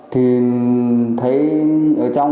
thì thấy ở trong